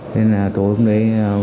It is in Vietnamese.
thế là tối hôm đấy một mươi hai h kém